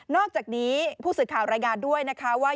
อกจากนี้ผู้สื่อข่าวรายงานด้วยนะคะว่า